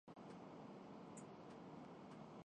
گی لیکن نظریہ تو ہمارا مضبوط ہے۔